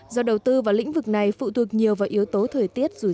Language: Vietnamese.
do đầu tư vào lĩnh vực này phụ thuộc nhiều vào yếu tố thời tiết rủi ro